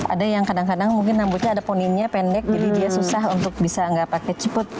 ada yang kadang kadang mungkin rambutnya ada poninnya pendek jadi dia susah untuk bisa nggak pakai ciput